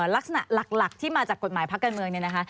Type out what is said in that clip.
ลักษณะหลักที่มาจากกฎหมายพักการเมืองเนี่ยนะคะ